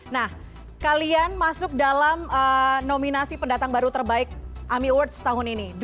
nah kalian masuk dalam nominasi pendatang baru terbaik ami awards tahun ini